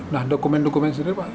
nah dokumen dokumen sendiri pak